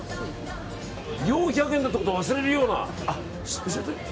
４００円だということを忘れるような。